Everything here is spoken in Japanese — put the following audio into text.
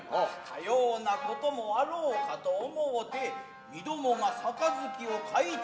斯様なこともあろうかと思うて身共が盃を懐中いたいた。